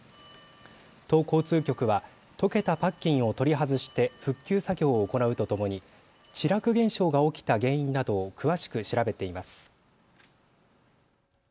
都交通局は溶けたパッキンを取り外して復旧作業を行うとともに地絡現象が起きた原因などを詳しく調べています。